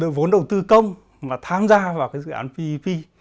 được vốn đầu tư công mà tham gia vào cái dự án ppp